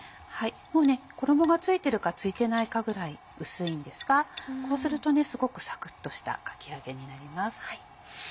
衣が付いてるか付いてないかぐらい薄いんですがこうするとすごくサクっとしたかき揚げになります。